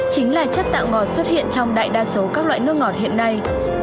chính là chất tạo ngọt xuất hiện trong đại đa số các loại nước ngọt hiện nay